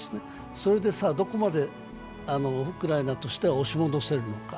それでどこまでウクライナとしては押し戻せるのか。